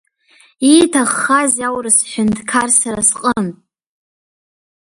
Ииҭаххазеи аурыс ҳәынҭқар сара сҟынтә?